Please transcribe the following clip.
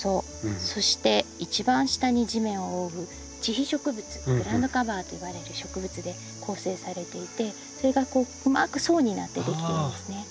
そして一番下に地面を覆う地被植物グラウンドカバーと呼ばれる植物で構成されていてそれがうまく層になって出来ているんですね。